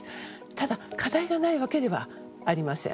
ただ課題がないわけではありません。